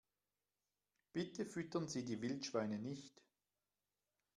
Bitte füttern Sie die Wildschweine nicht!